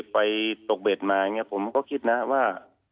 ไปตกเบ็ดมาเนี่ยผมก็คิดนะว่า